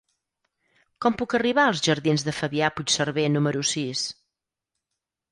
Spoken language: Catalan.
Com puc arribar als jardins de Fabià Puigserver número sis?